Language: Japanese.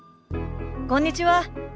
こんにちは。